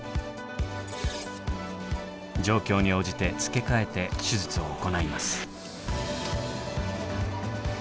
状況に応じて付け替えて手術を行います。